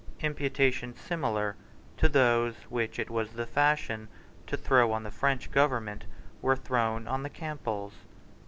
Imputations similar to those which it was the fashion to throw on the French government were thrown on the Campbells.